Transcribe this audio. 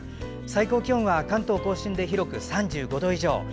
最高気温は関東・甲信で広く３５度以上。